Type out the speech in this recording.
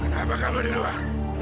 kenapa kamu di luar